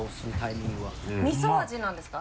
みそ味なんですか？